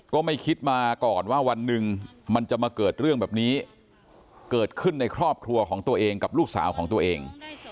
ก็ไม่คิดมาก่อนว่าวันหนึ่งมันจะมาเกิดเรื่องแบบนี้เกิดขึ้นในครอบครัวของตัวเองกับลูกสาวของตัวเอง